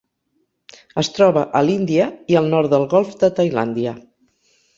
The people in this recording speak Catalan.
Es troba a l'Índia i el nord del golf de Tailàndia.